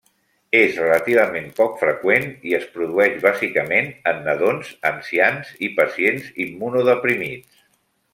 És relativament poc freqüent i es produeix bàsicament en nadons, ancians i pacients immunodeprimits.